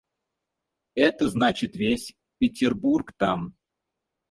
Это значит — весь Петербург там.